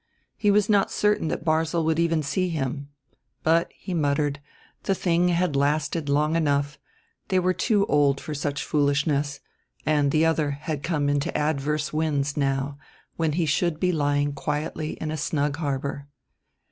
He was not certain that Barzil would even see him; but, he muttered, the thing had lasted long enough, they were too old for such foolishness; and the other had come into adverse winds, now, when he should be lying quietly in a snug harbor.